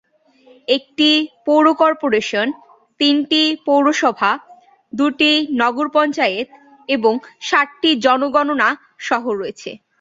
একটি পৌর কর্পোরেশন, তিনটি পৌরসভা, দুটি নগর পঞ্চায়েত এবং সাতটি জনগণনা শহর রয়েছে।